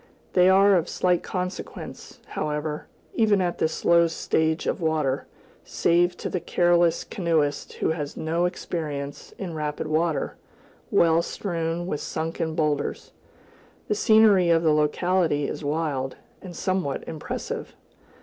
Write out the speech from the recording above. [A] They are of slight consequence, however, even at this low stage of water, save to the careless canoeist who has had no experience in rapid water, well strewn with sunken boulders. The scenery of the locality is wild, and somewhat impressive.